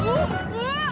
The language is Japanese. うわっ！